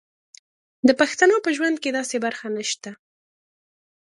د پښتنو په ژوند کې داسې برخه نشته.